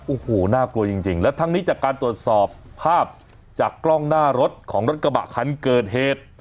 โอ้โหน่ากลัวจริงและทั้งนี้จากการตรวจสอบภาพจากกล้องหน้ารถของรถกระบะคันเกิดเหตุ